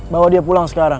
bawa dia pulang sekarang